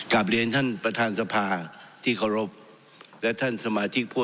กลับเรียนท่านประธานสภาที่เคารพและท่านสมาชิกผู้